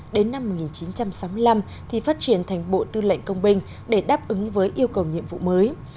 đến năm một nghìn chín trăm sáu mươi năm thì phát triển thành bộ tư lệnh công binh để đáp ứng với yêu cầu nhiệm vụ mới